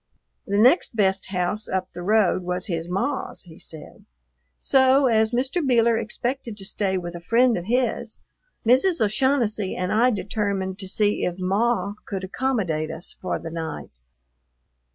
The next best house up the road was his "Maw's," he said; so, as Mr. Beeler expected to stay with a friend of his, Mrs. O'Shaughnessy and I determined to see if "Maw" could accommodate us for the night.